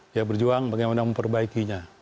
dia berjuang bagaimana memperbaikinya